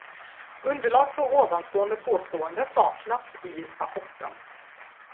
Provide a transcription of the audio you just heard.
Underlag för ovanstående påstående saknas i rapporten.